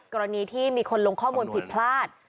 กรณีที่มีคนลงข้อมูลผิดพลาด